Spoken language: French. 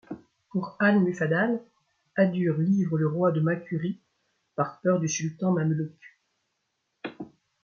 Pour al-Muffadal, Adur livre le roi de Makurie par peur du sultan mamelouk.